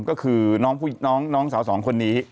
ก็คือน้องสาวสองคนนี้